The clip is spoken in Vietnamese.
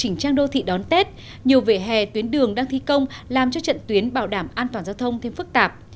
nhiều vệ hè tuyến đường đang thi công làm cho trận tuyến bảo đảm an toàn giao thông thêm phức tạp